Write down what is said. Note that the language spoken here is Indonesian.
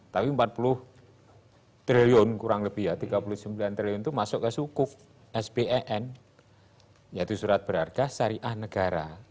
tapi empat puluh triliun kurang lebih ya rp tiga puluh sembilan triliun itu masuk ke sukuf sben yaitu surat berharga syariah negara